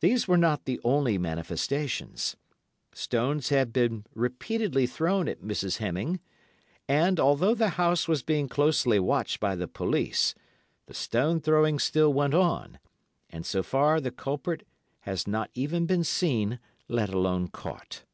These were not the only manifestations. Stones had been repeatedly thrown at Mrs. Hemming, and, although the house was being closely watched by the police, the stone throwing still went on, and so far the culprit had not even been seen, let alone caught.